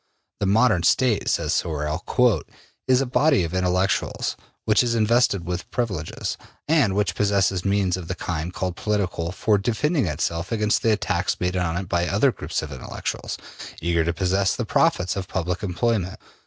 The modern State, says Sorel, ``is a body of intellectuals, which is invested with privileges, and which possesses means of the kind called political for defending itself against the attacks made on it by other groups of intellectuals, eager to possess the profits of public employment.